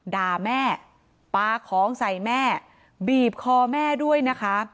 ด่าแม่ปลาของใส่แม่บีบคอแม่ด้วยนะคะ